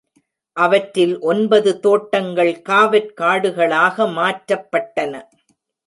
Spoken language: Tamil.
அவற்றில் ஒன்பது தோட்டங்கள் காவற் காடுக ளாக மாற்றப்பட்டன.